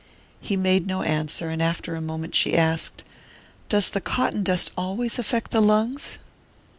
He made no answer, and after a moment she asked: "Does the cotton dust always affect the lungs?"